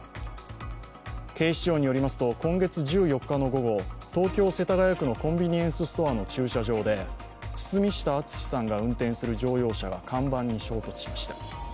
警視庁によりますと、今月１４日の午後、東京・世田谷区のコンビニエンスストアの駐車場で堤下敦さんが運転する乗用車が看板に衝突しました。